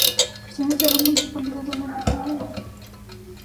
Pertenece a la municipalidad de Lago Puelo.